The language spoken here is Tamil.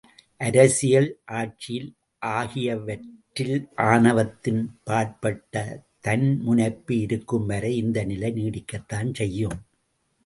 அரசியல், ஆட்சியியல் ஆகியவற்றில் ஆணவத்தின் பாற்பட்ட தன்முனைப்பு இருக்கும்வரை இந்தநிலை நீடிக்கத்தான் செய்யும்!